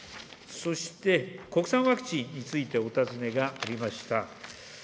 そして、国産ワクチンについてお尋ねがありました。